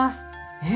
えっ！